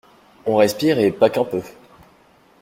On respire et pas qu’un peu.